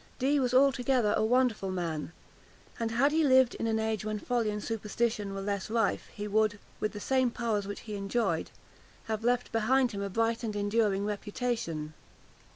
Dee was altogether a wonderful man, and had he lived in an age when folly and superstition were less rife, he would, with the same powers which he enjoyed, have left behind him a bright and enduring reputation.